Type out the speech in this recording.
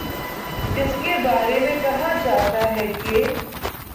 جس کے بارے میں کہا جاتا ہے کہ